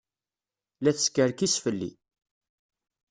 La teskerkis fell-i.